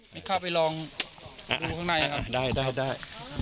มีข้าวไปลองดูข้างในนะครับได้ได้ได้